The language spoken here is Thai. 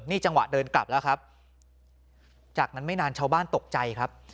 นี่จังหวะเดินกลับแล้วครับจากนั้นไม่นานชาวบ้านตกใจครับ